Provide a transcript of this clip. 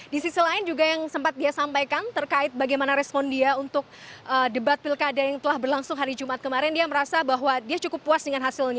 di sisi lain juga yang sempat dia sampaikan terkait bagaimana respon dia untuk debat pilkada yang telah berlangsung hari jumat kemarin